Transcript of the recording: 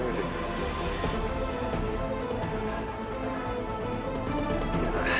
sama sama dengan pak ferry